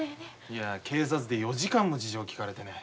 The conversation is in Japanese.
いや警察で４時間も事情を聞かれてね。